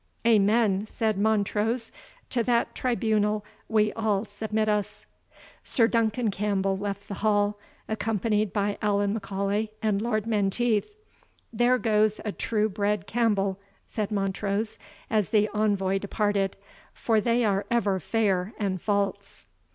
"Amen," said Montrose; "to that tribunal we all submit us." Sir Duncan Campbell left the hall, accompanied by Allan M'Aulay and Lord Menteith. "There goes a true bred Campbell," said Montrose, as the envoy departed, "for they are ever fair and false."